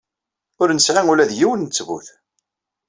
Ur nesɛi ula d yiwen n ttbut.